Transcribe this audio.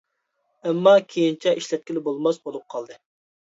ئەمما كېيىنچە ئىشلەتكىلى بولماس بولۇپ قالدى.